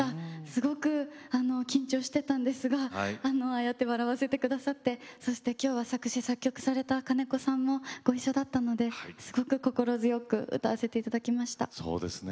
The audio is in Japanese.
すごく緊張していたんですがああやって笑わせてくださってそしてきょうは作詞・作曲された金子さんもごいっしょだったのですごく心強く歌わせていただきました。